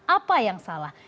apa yang salah